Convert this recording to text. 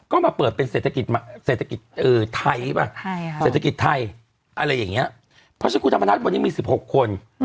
ก็มาเปิดเป็นเศรษฐกิจไทยเพราะฉะนั้นคุณธรรมนัทมี๑๖คน